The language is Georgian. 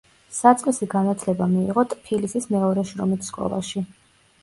საწყისი განათლება მიიღო ტფილისის მეორე შრომით სკოლაში.